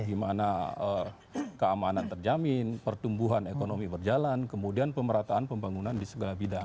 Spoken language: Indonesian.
gimana keamanan terjamin pertumbuhan ekonomi berjalan kemudian pemerataan pembangunan di segala bidang